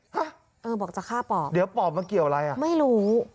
ฮะเออบอกจะฆ่าปอบเดี๋ยวปอบมาเกี่ยวอะไรอ่ะไม่รู้